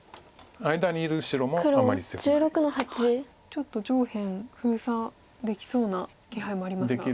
ちょっと上辺封鎖できそうな気配もありますが。